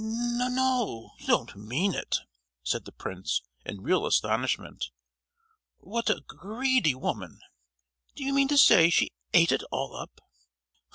"N—no! you don't mean it!" said the prince, in real astonishment. "What a gr—eedy woman! Do you mean to say she ate it all up?"